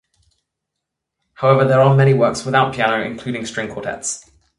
However, there are many works without piano, including string quartets.